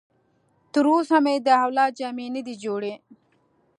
تر اوسه مې د اولاد جامې نه دي جوړې.